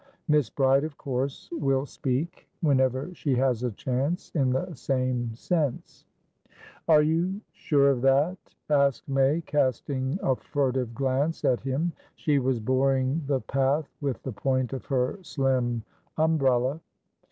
Miss Bride, of course, will speak, whenever she has a chance, in the same sense" "Are you sure of that?" asked May, casting a furtive glance at him. She was boring the path with the point of her slim umbrella.